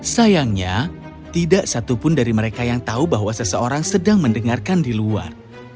sayangnya tidak satupun dari mereka yang tahu bahwa seseorang sedang mendengarkan di luar